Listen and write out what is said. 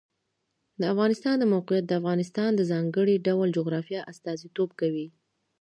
د افغانستان د موقعیت د افغانستان د ځانګړي ډول جغرافیه استازیتوب کوي.